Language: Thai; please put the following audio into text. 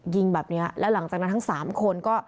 ยิงแบบนี้แล้วหลังจากนั้นทั้งสามคนก็